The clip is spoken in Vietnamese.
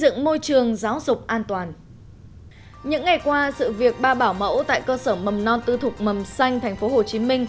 những ngày qua sự việc ba bảo mẫu tại cơ sở mầm non tư thục mầm xanh tp hcm